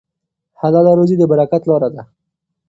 حلاله روزي د برکت لاره ده.